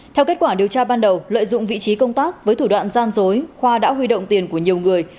theo kết quả điều tra ban đầu lợi dụng vị trí công tác với thủ đoạn gian dối khoa đã huy động tiền của nhiều người